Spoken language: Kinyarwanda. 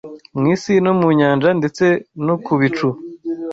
mu isi no mu nyanja ndetse no ku bicu